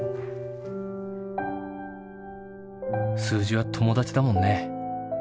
数字は友達だもんね。